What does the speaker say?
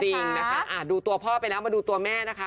จริงนะคะดูตัวพ่อไปแล้วมาดูตัวแม่นะคะ